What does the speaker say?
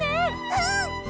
うん！